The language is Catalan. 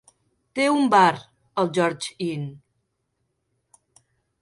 Té un bar, el George Inn.